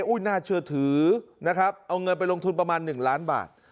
น่าเชื่อถือนะครับเอาเงินไปลงทุนประมาณ๑ล้านบาท